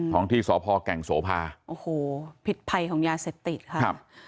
ของที่สพแก่งโสภาโอ้โหผิดภัยของยาเสพติดค่ะครับ